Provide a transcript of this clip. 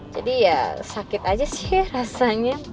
jadi ya sakit aja sih rasanya